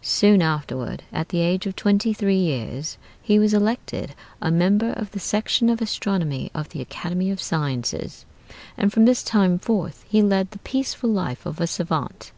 Soon afterward (at the age of twenty three years) he was elected a member of the section of Astronomy of the Academy of Sciences, and from this time forth he led the peaceful life of a savant.